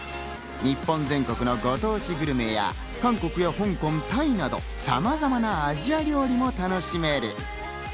日本全国のご当地グルメや、韓国や香港、タイなど、さまざまなアジアン料理を楽しめる。